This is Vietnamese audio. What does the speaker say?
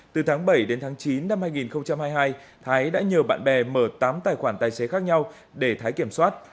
từ tháng bảy đến tháng chín năm hai nghìn hai mươi hai thái đã nhờ bạn bè mở tám tài khoản tài xế khác nhau để thái kiểm soát